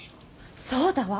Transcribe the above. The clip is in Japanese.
そうだわ。